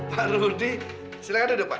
pak rudy silakan duduk pak